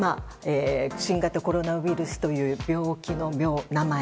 新型コロナウイルスという病気の名前。